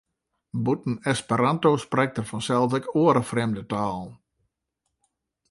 Bûten Esperanto sprekt er fansels ek oare frjemde talen.